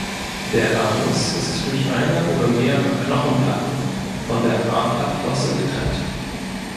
Der Anus ist durch eine oder mehrere Knochenplatten von der Afterflosse getrennt.